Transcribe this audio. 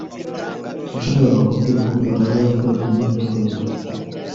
Nashoboraga kubwira ko Mbaraga yakoraga imyitozo